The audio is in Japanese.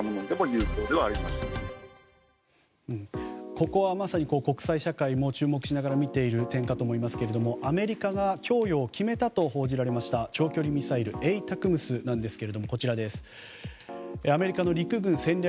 ここはまさに国際社会も注目しながら見ている点かと思いますがアメリカが供与を決めたと報じられました長距離ミサイルＡＴＡＣＭＳですがアメリカの陸軍戦略